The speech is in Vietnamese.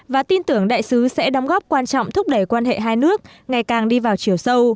và tin tưởng đại sứ sẽ đóng góp quan trọng thúc đẩy quan hệ hai nước ngày càng đi vào chiều sâu